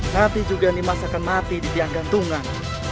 nanti juga nimas akan mati di tiang gantungan